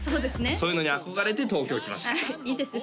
そういうのに憧れて東京来ましたいいですね